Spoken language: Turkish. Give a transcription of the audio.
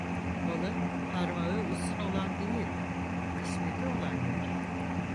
Balı parmağı uzun olan değil, kısmeti olan yer.